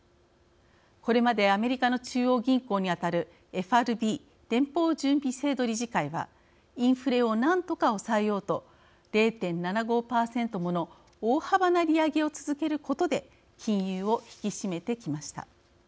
これまでアメリカの中央銀行に当たるＦＲＢ連邦準備制度理事会はインフレをなんとか抑えようと０．７５％もの大幅な利上げを続けることで金融を引き締めてきました。